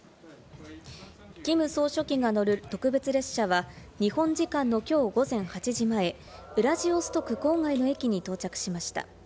キム総書記が乗る特別列車は日本時間のきょう午前８時前、ウラジオストク郊外の駅に到着しました。